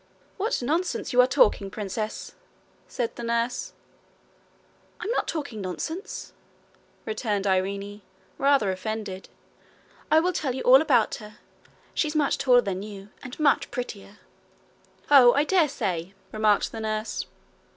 'What nonsense you are talking, princess!' said the nurse. 'I'm not talking nonsense,' returned Irene, rather offended. 'I will tell you all about her. She's much taller than you, and much prettier.' 'Oh, I dare say!' remarked the nurse.